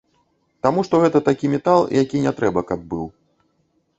Таму што гэта такі метал, які не трэба, каб быў.